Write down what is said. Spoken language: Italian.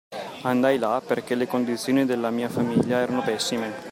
Andai là perché le condizioni della mia famiglia erano pessime.